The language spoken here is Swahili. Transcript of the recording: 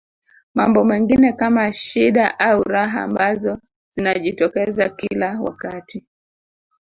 Mambo mengine kama shida au raha ambazo zinajitokeza kila wakati